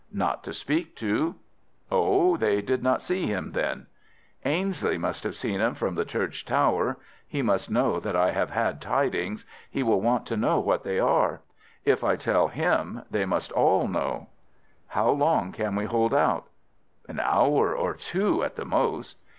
"Not to speak to." "Oh! they did see him, then?" "Ainslie must have seen him from the church tower. He must know that I have had tidings. He will want to know what they are. If I tell him they must all know." "How long can we hold out?" "An hour or two at the most."